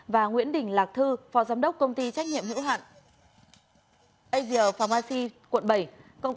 và nguyễn đình lạc thư phò giám đốc công ty trách nhiệm hữu hạn asia pharmacy quận bảy